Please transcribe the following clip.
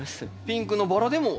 ピンクのバラでも。